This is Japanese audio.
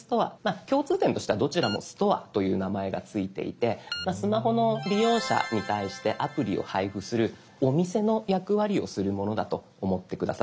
共通点としてはどちらも「ストア」という名前が付いていてスマホの利用者に対してアプリを配布するお店の役割をするものだと思って下さい。